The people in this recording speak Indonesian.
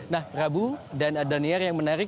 nah prabu dan daniar yang menarik